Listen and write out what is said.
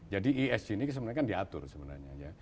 jadi esg ini sebenarnya kan diatur sebenarnya